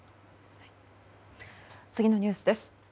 次のニュースです。